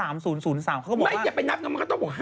ไม่อย่าไปนับกันมันก็ต้องบอก๕๘๓